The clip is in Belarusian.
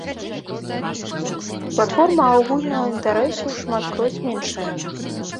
Платформа агульнага інтарэсу шматкроць меншая.